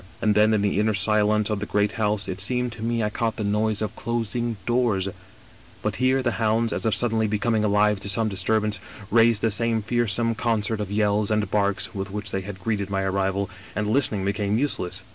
And then in the inner silence of the great house it seemed to me I caught the noise of closing doors ; but here the hounds, as if suddenly becoming alive to some disturbance, raised the same fearsome concert of yells and barks with which they had greeted my arrival, and listening became useless.